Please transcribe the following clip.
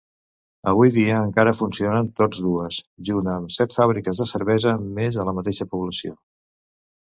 Avui dia encara funcionen tots dues, junt amb set fàbriques de cervesa més a la mateixa població.